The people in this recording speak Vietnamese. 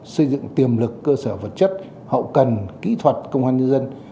xây dựng tiềm lực cơ sở vật chất hậu cần kỹ thuật công an nhân dân